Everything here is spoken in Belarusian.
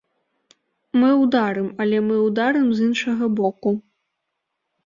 Мы ўдарым, але мы ўдарым з іншага боку.